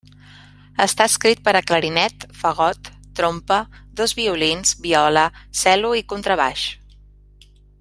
Està escrit per a clarinet, fagot, trompa, dos violins, viola, cel·lo, i contrabaix.